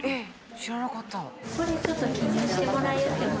知らなかった。